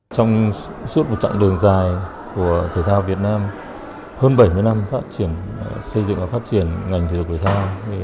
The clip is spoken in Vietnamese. trong suốt một chặng đường dài của thể thao việt nam hơn bảy mươi năm phát triển xây dựng và phát triển ngành thể dục thể thao